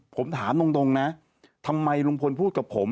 ผมถามตรงนะทำไมลุงพลพูดกับผม